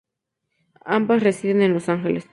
Ambas residen en Los Ángeles.